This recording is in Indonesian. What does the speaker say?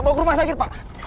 mau ke rumah sakit pak